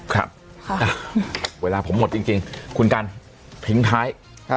ครับเวลาผมหมดจริงคุณกันทิ้งท้าย